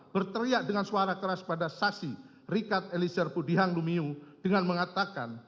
berteriak dengan suara keras pada saksi richard elisir budihang lumiu dengan mengatakan